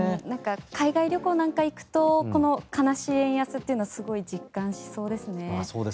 海外旅行なんか行くとこの悲しい円安というのをすごい実感しそうですね。